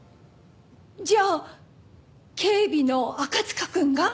じゃあ警備の赤塚くんが？